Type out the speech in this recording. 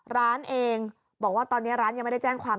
ร้านเองบอกว่าตอนนี้ร้านยังไม่ได้แจ้งความ